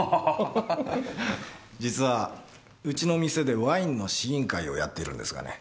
実はうちの店でワインの試飲会をやってるんですがね。